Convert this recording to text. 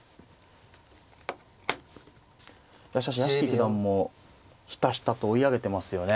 しかし屋敷九段もひたひたと追い上げてますよね。